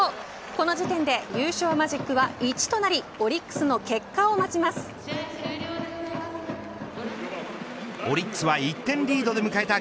この時点で優勝マジックは１となりオリックスは１点リードで迎えた